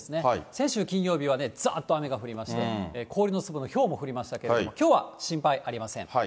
先週金曜日はざっと雨が降りまして、氷の粒のひょうも降りましたけど、きょうは心配ありません。